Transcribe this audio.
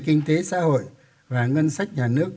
kinh tế xã hội và ngân sách nhà nước